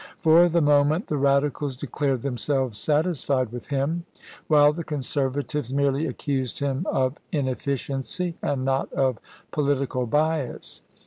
For the moment, the Radicals declared themselves satisfied with him, while the Conserva tives merely accused him of inefficiency and not of political bias.